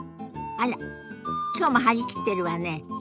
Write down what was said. あら今日も張り切ってるわね。